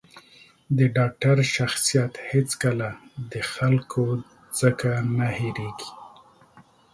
د ډاکتر شخصیت هېڅکله د خلکو ځکه نه هېرېـږي.